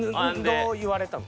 どう言われたの？